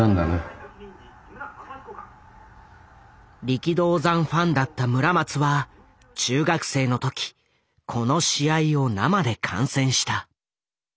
力道山ファンだった村松は中学生の時この試合を生で観戦した。